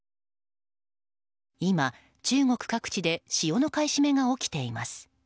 今、中国各地で塩の買い占めが起きています。